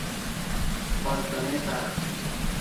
آستانهی فقر